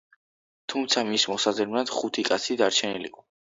თუმცა, მის მოსაძებნად ხუთი კაცი დარჩენილიყო.